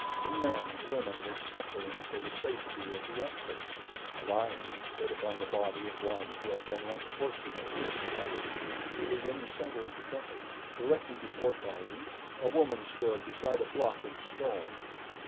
The men and women were scuttling for the safety of the exits. The lion stood upon the body of one who had been less fortunate than the others. He was in the center of the temple. Directly before Tarzan, a woman stood beside a block of stone.